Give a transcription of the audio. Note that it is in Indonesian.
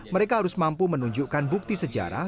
mereka harus mampu menunjukkan bukti sejarah